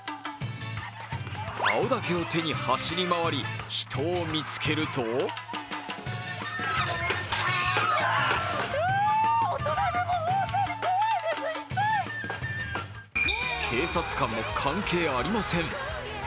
青竹を手に走り回り、人を見つけると警察官も関係ありません。